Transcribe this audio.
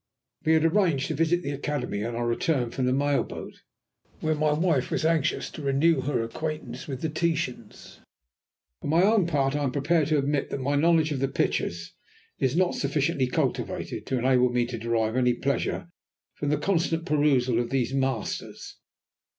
We had arranged to visit the Academy on our return from the mail boat, where my wife was anxious to renew her acquaintance with the Titans. For my own part I am prepared to admit that my knowledge of the pictures is not sufficiently cultivated to enable me to derive any pleasure from the constant perusal of these Masters.